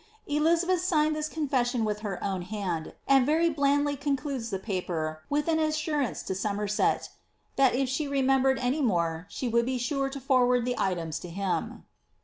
Elizabeth signed this confession with her own hand, and very blandly concludes the paper with an assurance to Somerset ^ that if she remembered any more she would be sure to forward the items to him."